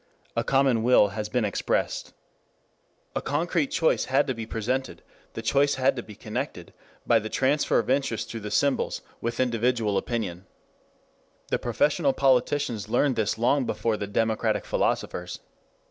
A common will has been expressed. A concrete choice had to be presented, the choice had to be connected, by the transfer of interest through the symbols, with individual opinion. The professional politicians learned this long before the democratic philosophers.